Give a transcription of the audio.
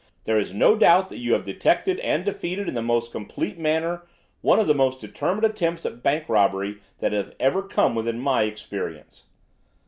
There is no doubt that you have detected and defeated in the most complete manner one of the most determined attempts at bank robbery that have ever come within my experience."